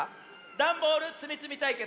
ダンボールつみつみたいけつ」